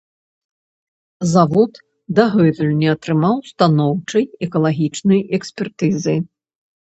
Завод дагэтуль не атрымаў станоўчай экалагічнай экспертызы.